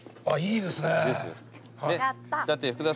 あっいいですね。